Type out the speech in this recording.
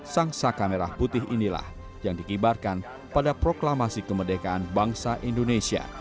sang saka merah putih inilah yang dikibarkan pada proklamasi kemerdekaan bangsa indonesia